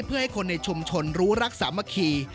เพื่อให้คนในชุมชนรู้รักสามัคคี